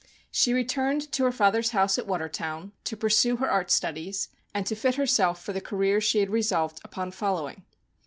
She returned to her fathers house, at Watcrtown, to pursue her art studies, and to fit herself for the career she had resolved upon following.